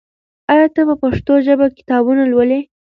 آیا ته په پښتو ژبه کتابونه لولې؟